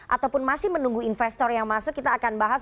ataupun masih menunggu investor yang masuk kita akan bahas